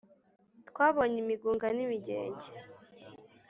twabonye imigunga n’imigenge